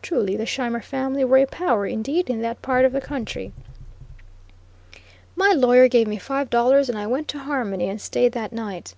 Truly the Scheimer family were a power, indeed, in that part of the country! My lawyer gave me five dollars and I went to Harmony and staid that night.